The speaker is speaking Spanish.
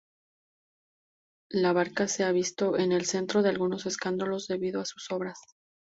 Labarca se ha visto en el centro de algunos escándalos debido a sus obras.